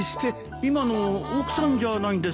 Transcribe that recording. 今の奥さんじゃないんですか？